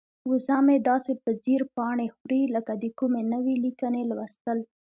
وزه مې داسې په ځیر پاڼې خوري لکه د کومې نوې لیکنې لوستل.